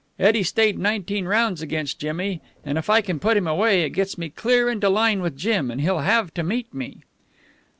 "Eddie stayed nineteen rounds against Jimmy, and, if I can put him away, it gets me clear into line with Jim, and he'll have to meet me."